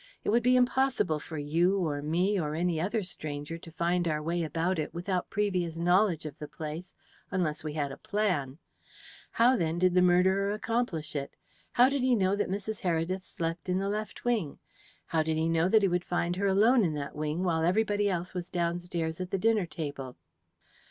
It would be impossible for you or me or any other stranger to find our way about it without previous knowledge of the place, unless we had a plan. How, then, did the murderer accomplish it? How did he know that Mrs. Heredith slept in the left wing? How did he know that he would find her alone in that wing while everybody else was downstairs at the dinner table?"